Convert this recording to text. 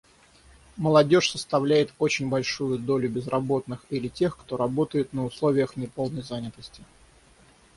Молодежь составляет очень большую долю безработных или тех, кто работает на условиях неполной занятости.